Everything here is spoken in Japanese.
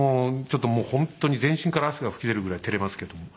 ちょっともう本当に全身から汗が吹き出るぐらい照れますけども。